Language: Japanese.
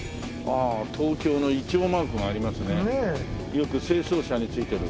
よく清掃車についてる。